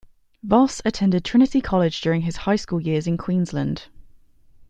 Voss attended Trinity College during his high school years in Queensland.